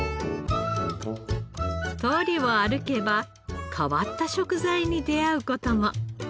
通りを歩けば変わった食材に出会う事も。